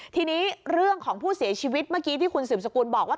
ทีนี้เรื่องของผู้เสียชีวิตเมื่อกี้ที่คุณสืบสกุลบอกว่า